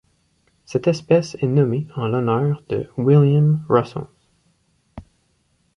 Cette espèce est nommée en l'honneur de William Russell.